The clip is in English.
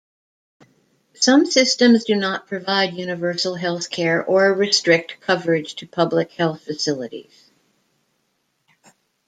Some systems do not provide universal healthcare or restrict coverage to public health facilities.